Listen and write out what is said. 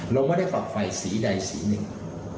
เราไม่ได้ปรับไฟสีใดสีหนึ่ง